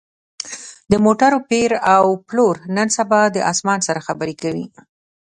د موټرو پېر او پلور نن سبا د اسمان سره خبرې کوي